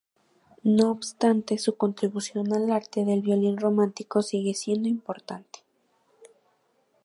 No obstante, su contribución al arte del violín romántico sigue siendo importante.